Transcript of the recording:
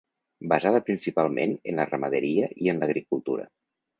Basada principalment en la ramaderia i en l'agricultura.